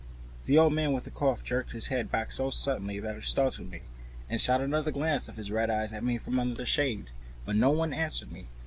The old man with the cough jerked his head back so suddenly that it startled me, and shot another glance of his red eyes at me from out of the darkness under the shade, but no one answered me.